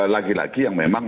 lagi lagi yang memang